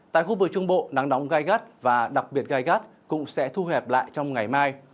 tại khu vực trung bộ nắng nóng gai gắt và đặc biệt gai gắt cũng sẽ thu hẹp lại trong ngày mai